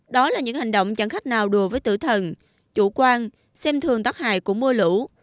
đó là những hành động chẳng khách nào đùa với tử thần chủ quan xem thường tắc hài của mưa lũ